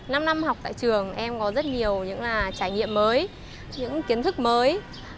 năm năm học tại trường em có rất nhiều những trải nghiệm mới những kiến thức mới